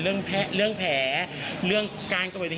เรื่องแผลเรื่องการกระบวนตัวบาดเทศการกลับวิเคยะที่การมีเยอะมาก